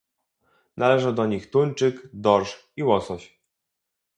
Należą do nich tuńczyk, dorsz i łosoś